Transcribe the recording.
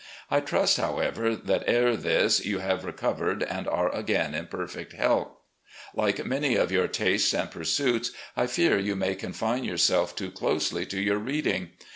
I trust, however, that ere this you have recovered and are again in perfect health. Like many of your tastes and pursuits, I fear you may confine youself too closely to your reading.